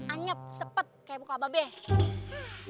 anyap sepet kayak muka babi